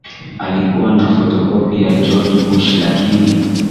alikuwa ni fotokopi ya George Bush Lakini